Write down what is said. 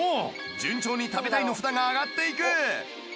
順調に「食べたい」の札が上がっていく